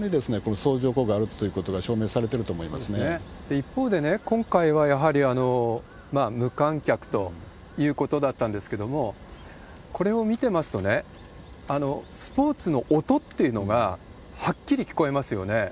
一方でね、今回はやはり無観客ということだったんですけれども、これを見てますとね、スポーツの音っていうのがはっきり聞こえますよね。